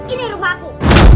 ini rumah aku